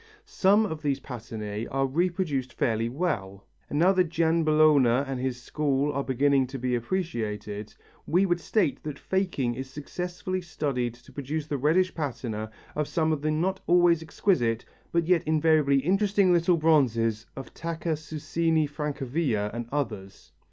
Some of these patinæ are reproduced fairly well, and now that Gianbologna and his school are beginning to be appreciated, we would state that faking is successfully studied to produce the reddish patina of some of the not always exquisite but yet invariably interesting little bronzes of Tacca Susini Francavilla and others.